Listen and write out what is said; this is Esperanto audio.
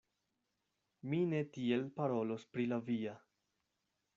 Mi ne tiel parolos pri la via.